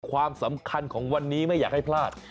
ความสำคัญของวันนี้ไม่อยากให้พลาด